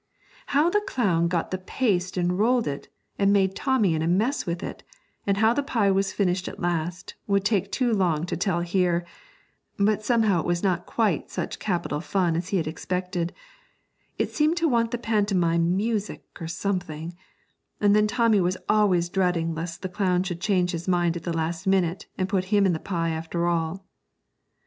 How the clown got the paste and rolled it, and made Tommy in a mess with it, and how the pie was finished at last, would take too long to tell here; but somehow it was not quite such capital fun as he had expected it seemed to want the pantomime music or something; and then Tommy was always dreading lest the clown should change his mind at the last minute, and put him in the pie after all.